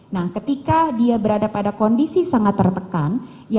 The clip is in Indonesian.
nah ketika dia berada pada kondisi sangat tertekan